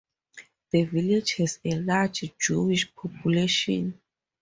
The village has a large Jewish population.